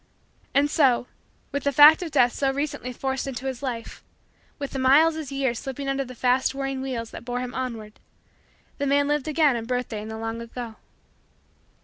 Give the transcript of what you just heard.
And so, with the fact of Death so recently forced into his life, with the miles as years slipping under the fast whirring wheels that bore him onward, the man lived again a birthday in the long ago.